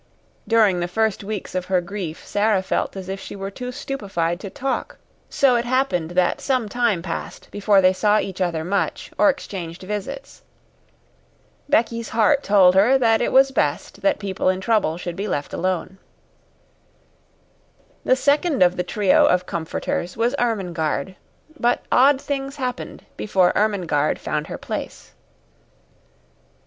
During the first weeks of her grief Sara felt as if she were too stupefied to talk, so it happened that some time passed before they saw each other much or exchanged visits. Becky's heart told her that it was best that people in trouble should be left alone. The second of the trio of comforters was Ermengarde, but odd things happened before Ermengarde found her place.